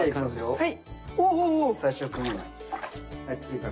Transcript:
はい。